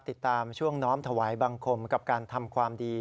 ติดตามช่วงน้อมถวายบังคมกับการทำความดี